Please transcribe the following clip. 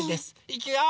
いくよ！